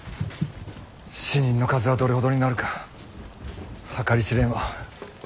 死人の数はどれほどになるか計り知れんわ。